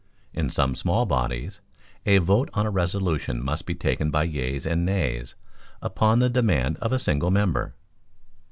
In some small bodies a vote on a resolution must be taken by yeas and nays, upon the demand of a single member.